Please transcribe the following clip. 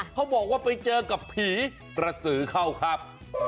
เขาบอกว่าไปเจอกับผีกระสือเข้าครับ